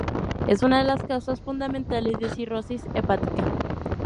Es una de las causas fundamentales de cirrosis hepática.